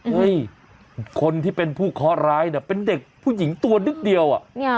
คนที่เป็นผู้เคาะร้ายเนี่ยเป็นเด็กผู้หญิงตัวนิดเดียว